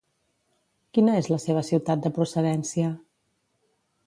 Quina és la seva ciutat de procedència?